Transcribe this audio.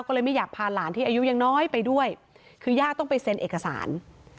ก็เลยไม่อยากพาหลานที่อายุยังน้อยไปด้วยคือย่าต้องไปเซ็นเอกสาร